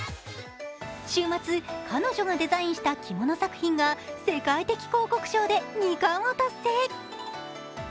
週末、彼女がデザインした着物作品が世界的広告賞で２冠を達成。